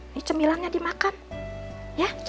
ini cemilannya dimakan ya